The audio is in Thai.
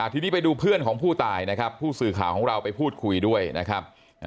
ทีนี้ไปดูเพื่อนของผู้ตายนะครับผู้สื่อข่าวของเราไปพูดคุยด้วยนะครับ